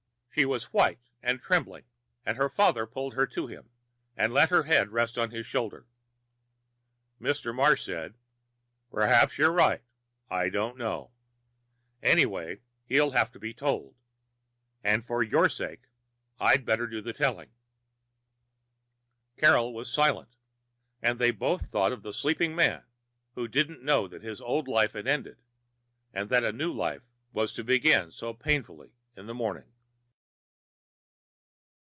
She was white and trembling, and her father pulled her to him and let her head rest on his shoulder. Mr. Marsh said, "Perhaps you're right. I don't know. Anyway, he'll have to be told. And for your sake, I'd better do the telling." Carol was silent, and they both thought of the sleeping man who didn't know that his old life had ended and that a new life was to begin so painfully in the morning.